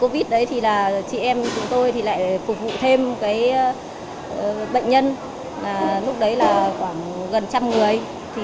bệnh nhân lúc đấy là gần trăm người